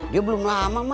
dia belum lama